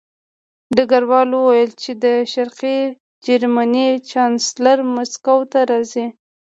ډګروال وویل چې د شرقي جرمني چانسلر مسکو ته راځي